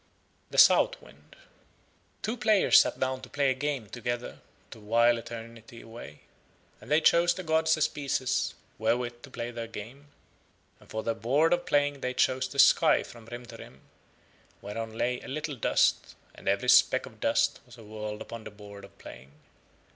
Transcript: ] THE SOUTH WIND Two players sat down to play a game together to while eternity away, and they chose the gods as pieces wherewith to play their game, and for their board of playing they chose the sky from rim to rim, whereon lay a little dust; and every speck of dust was a world upon the board of playing.